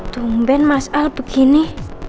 tungguin mas al begini